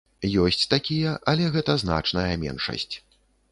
Ёсць такія, але гэта значная меншасць.